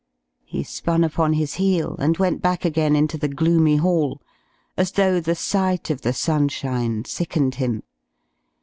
He spun upon his heel and went back again into the gloomy hall, as though the sight of the sunshine sickened him.